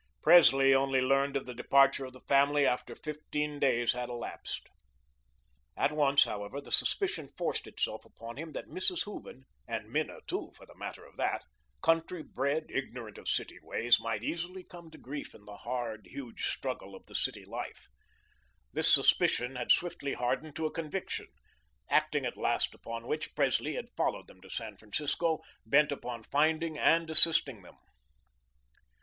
Presley only learned of the departure of the family after fifteen days had elapsed. At once, however, the suspicion forced itself upon him that Mrs. Hooven and Minna, too for the matter of that country bred, ignorant of city ways, might easily come to grief in the hard, huge struggle of city life. This suspicion had swiftly hardened to a conviction, acting at last upon which Presley had followed them to San Francisco, bent upon finding and assisting them.